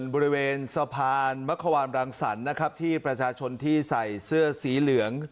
บริเวณสะพานมะขวานรังสรรค์นะครับที่ประชาชนที่ใส่เสื้อสีเหลือง